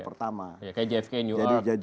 pertama kayak jfk new york